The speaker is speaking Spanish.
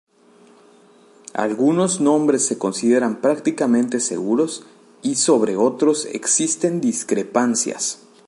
Algunos nombres se consideran prácticamente seguros y sobre otros existen discrepancias.